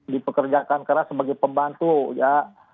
dipekerjakan karena sebagai pembantu ya